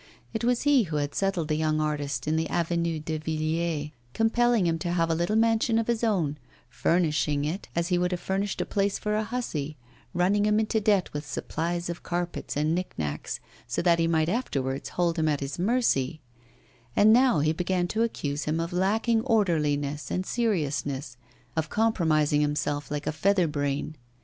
It was he who had settled the young artist in the Avenue de Villiers, compelling him to have a little mansion of his own, furnishing it as he would have furnished a place for a hussy, running him into debt with supplies of carpets and nick nacks, so that he might afterwards hold him at his mercy; and now he began to accuse him of lacking orderliness and seriousness, of compromising himself like a feather brain.